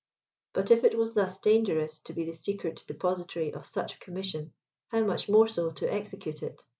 But if it was thus dangerous to be the secret depositary of such a commission, how much more so to execute it?